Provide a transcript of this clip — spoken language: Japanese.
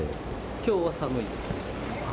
きょうは寒いですね。